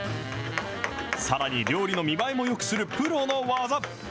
さらに料理の見栄えをよくするプロの技。